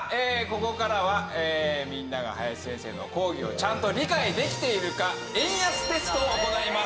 ここからはみんなが林先生の講義をちゃんと理解できているか円安テストを行います。